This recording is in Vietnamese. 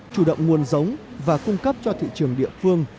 chủ động nguồn giống và cung cấp cho thị trường địa phương